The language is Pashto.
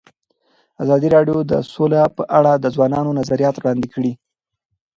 ازادي راډیو د سوله په اړه د ځوانانو نظریات وړاندې کړي.